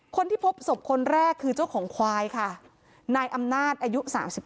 คนที่พบศพคนแรกคือเจ้าของควายค่ะนายอำนาจอายุ๓๕